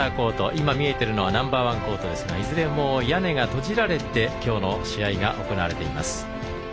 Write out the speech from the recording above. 今、見えているのはナンバーワンコートですがいずれも屋根が閉じられて今日の試合が行われています。